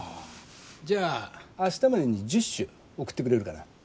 じゃあ明日までに１０首送ってくれるかな。